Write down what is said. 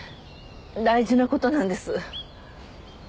大事なことなんです。